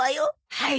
はい。